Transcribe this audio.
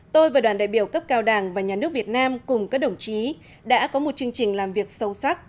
tôi và đoàn đại biểu cấp cao đảng và nhà nước việt nam cùng các đồng chí đã có một chương trình làm việc sâu sắc